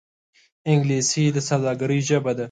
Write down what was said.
انګلیسي د سوداگرۍ ژبه ده